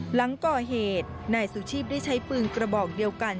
หลังก่อเหตุนายสุชีพได้ใช้ปืนกระบอกเดียวกัน